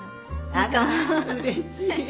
あらうれしい。